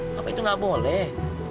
mama itu tidak boleh